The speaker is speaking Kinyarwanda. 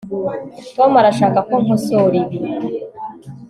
tom arashaka ko nkosora ibi